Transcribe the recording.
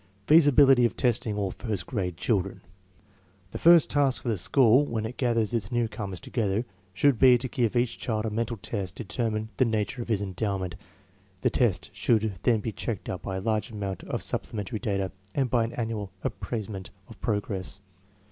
99 Feasibility of testing all first grade children. The first task of the school when it gathers its newcomers together should be to give each child a mental test to determine the nature of his endowment. The ' :st should then be checked up by a large amount of sup plementary data and by an annual appraisement of progress.